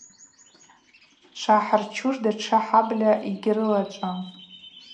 Швъахӏырцуш датша хӏабльа йыгьрылачӏвам.